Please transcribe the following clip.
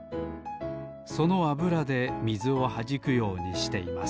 そのあぶらでみずをはじくようにしています